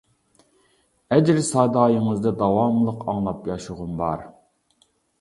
ئەجىر سادايىڭىزنى داۋاملىق ئاڭلاپ ياشىغۇم بار.